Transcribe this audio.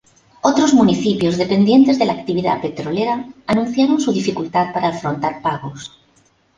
Otros municipios dependientes de la actividad petrolera anunciaron su dificultad para afrontar pagos.